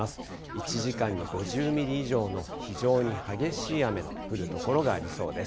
１時間に５０ミリ以上の非常に激しい雨の降る所がありそうです。